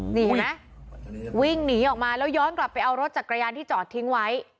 นี่เห็นไหมวิ่งหนีออกมาแล้วย้อนกลับไปเอารถจักรยานที่จอดทิ้งไว้